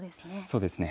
そうですね。